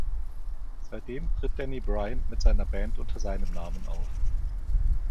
Seitdem tritt Danny Bryant mit seiner Band unter seinem Namen auf.